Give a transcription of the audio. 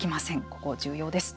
ここ、重要です。